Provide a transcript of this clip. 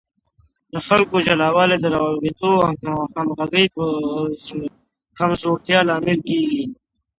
د خلکو جلاوالی د روابطو او همغږۍ په کمزورتیا لامل کیږي.